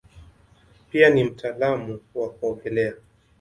Pia ni mtaalamu wa kuogelea.